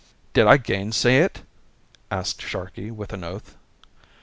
"Did I gainsay it?" asked Sharkey with an oath.